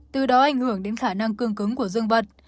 từ đó ảnh hưởng đến khả năng cương cứng của dương vật